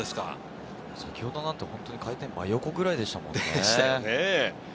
先ほどなんて回転は真横ぐらいでしたものね。